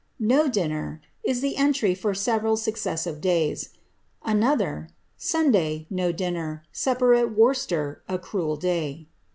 ^ No dinner," is the entry for several successive days. Another, ^ Sunday, no dinner ; supper it Worcester — a cruel day."